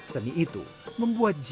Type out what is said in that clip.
seni itu membuat jahat